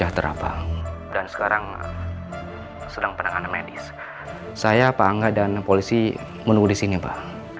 keadaan polisi menunggu disini bang